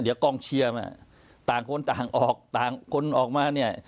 เดี๋ยวกองเชียร์มาต่างคนต่างออกต่างคนออกมาเนี่ย